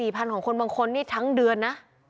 ๔๐๐๐บาทของคนบางคนทั้งเดือนนะ